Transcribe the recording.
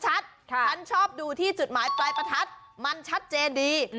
ฉันชอบดูที่จุดหมายปลายประทัดมันชัดเจนดี